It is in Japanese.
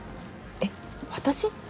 えっ私？